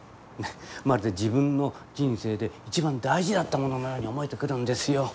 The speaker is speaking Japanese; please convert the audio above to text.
まるで自分の人生で一番大事だったもののように思えてくるんですよ。